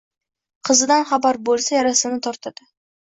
Qizidan xabari bo‘lsa — yarasini yoradi».